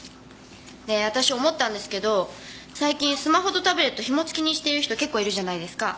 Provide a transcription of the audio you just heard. で私思ったんですけど最近スマホとタブレットひも付きにしている人結構いるじゃないですか。